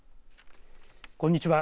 こんにちは。